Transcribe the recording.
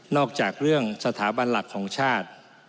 อกจากเรื่องสถาบันหลักของชาติ